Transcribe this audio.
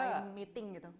main meeting gitu